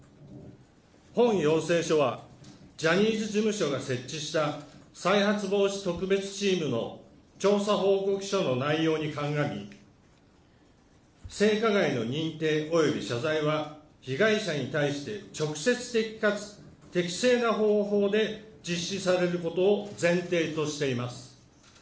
本要請書はジャニーズ事務所が設置した再発防止特別チームの調査報告書の内容に鑑み、性加害の認定及び謝罪は、被害者に対して直接的かつ適正な方法で実施されることを前提としています。